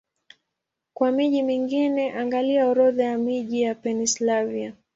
Kwa miji mingine, angalia Orodha ya miji ya Pennsylvania.